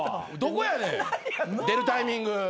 どこやねん出るタイミング。